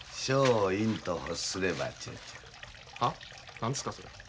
何ですかそれ。